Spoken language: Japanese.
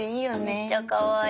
めっちゃかわいい。